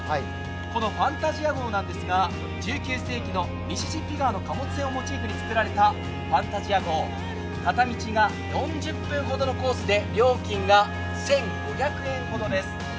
この「ファンタジア号」ですが１９世紀のミシシッピ川の遊覧船をモデルに造られた「ファンタジア号」、片道が４０分ほどのコースで料金が１５００円ほどです。